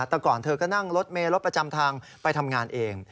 แต่ก่อนเธอก็นั่งรถเมย์รถประจำทางไปทำงานเอง